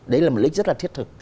đấy là một lý rất là thiết thực